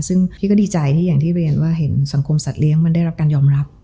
ซึ่งพี่ก็ดีใจที่อย่างที่เรียนว่าเห็นสังคมสัตเลี้ยงมันได้รับการยอมรับ